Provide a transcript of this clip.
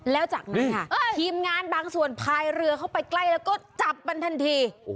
แล้วจากนั้นค่ะทีมงานบางส่วนพายเรือเข้าไปใกล้แล้วก็จับมันทันที